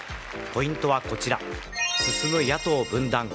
ポイントはこちら、進む野党分断。